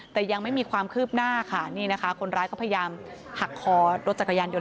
แต่ยังไม่มีความคืบหน้าค่ะนี่นะคะคนร้ายก็พยายามหักคอรถจักรยานยนต